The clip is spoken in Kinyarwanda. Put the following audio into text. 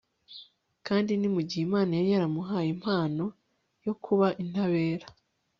kandi ni mu gihe, imana yari yaramuhaye impano yo kuba intabera